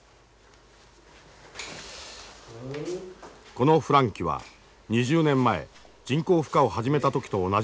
この孵卵器は２０年前人工孵化を始めた時と同じものだ。